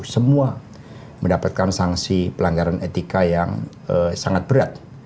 semua mendapatkan sanksi pelanggaran etika yang sangat berat